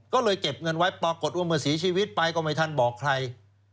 ก็เลยเก็บเงินไว้ปรากฏว่าเมื่อสีชีวิตไปก็ไม่ทันบอกใคร